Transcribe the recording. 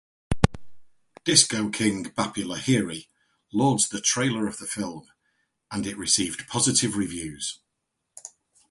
Disco king Bappi Lahiri lauds the Trailer of film and it received positive reviews.